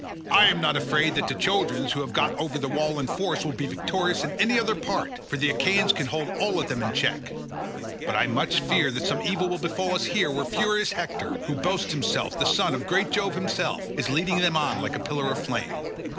I am not afraid that the Trojans, who have got over the wall in force, will be victorious in any other part, for the Achaeans can hold all of them in check, but I much fear that some evil will befall us here where furious Hector, who boasts himself the son of great Jove himself, is leading them on like a pillar of flame.